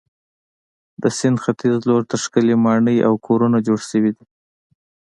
د سیند ختیځ لور ته ښکلې ماڼۍ او کورونه جوړ شوي دي.